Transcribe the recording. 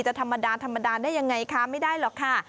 ธรรมดาธรรมดาได้ยังไงคะไม่ได้หรอกค่ะ